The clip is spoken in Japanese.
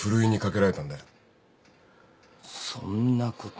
そんなこと。